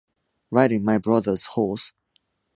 Riding my brother’s horse.